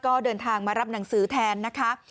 ก็เดินทางมารับหนังสือแทนนะคะ